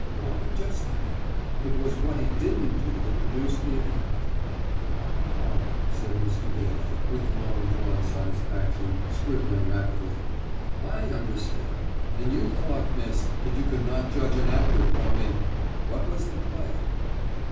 "Why, just that. It was what he didn't do that produced the effect." "A a ah," said Mr. Daly, with long drawn satisfaction, scribbling rapidly. "I understand, and you thought, miss, that you could not judge an actor for me! What was the play?"